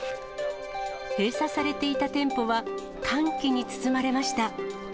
閉鎖されていた店舗は、歓喜に包まれました。